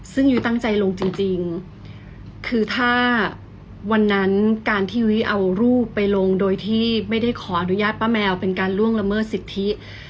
ซึ่งยุ้ยตั้งใจลงจริงคือถ้าวันนั้นการที่ยุ้ยเอารูปไปลงโดยที่ไม่ได้ขออนุญาตป้าแมวเป็นการล่วงละเมิดสิทธิ